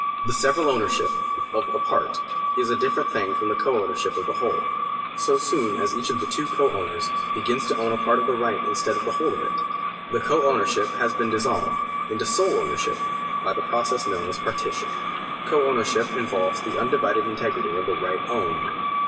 The several ownership of a part is a different thing from the co ownership of the whole. So soon as each of two co owners begins to own a part of the right instead of the whole of it, the co ownership has been dissolved into sole ownership by the process knoMai as partition. Co ownership involves the undivided integrity of the right owned.